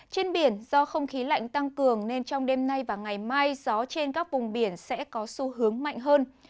trên biển do không khí lạnh tăng cường nên trong đêm nay và ngày mai gió trên các vùng biển sẽ có xu hướng mạnh hơn